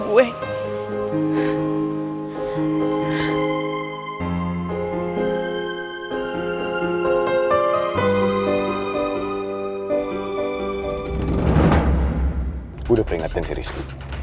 gue udah peringetin si risky